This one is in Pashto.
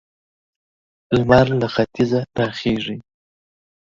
لمر له ختيځه را خيژي.